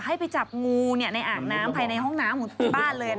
ให้ไปจับงูในอ่างน้ำภายในห้องน้ำของบ้านเลย